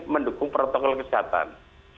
mendukung protokol kesehatan